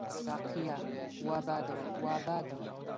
ساقییا! وا بادەوە، وا بادەوە